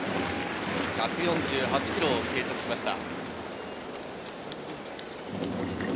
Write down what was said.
１４８キロを計測しました。